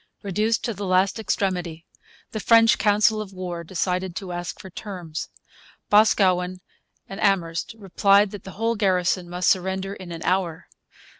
Reduced to the last extremity, the French council of war decided to ask for terms. Boscawen and Amherst replied that the whole garrison must surrender in an hour.